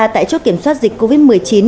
tại chốt kiểm soát dịch covid một mươi chín